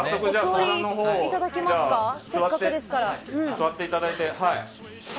座っていただいて。